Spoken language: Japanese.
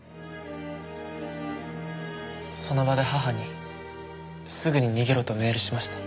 その場で母にすぐに逃げろとメールしました。